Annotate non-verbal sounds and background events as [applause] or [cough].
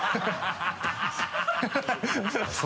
ハハハ [laughs]